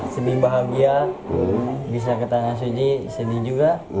sedih bahagia bisa ke tanah suci sedih juga